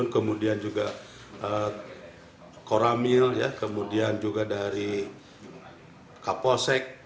kemudian juga koramil kemudian juga dari kapolsek